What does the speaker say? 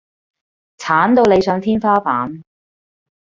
鏟到你上天花板